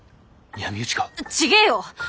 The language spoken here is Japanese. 違えよ！